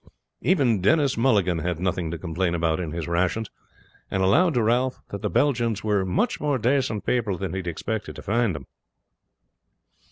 Even Denis Mulligan had nothing to complain about in his rations, and allowed to Ralph that the Belgians were much more decent people than he had expected to find them.